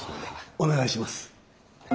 お願いします。